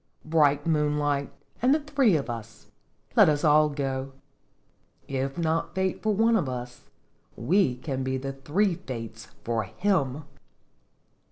" Bright moonlight, and three of us ! Let us all go. If not Fate for one of us, we can be the three Fates for him!"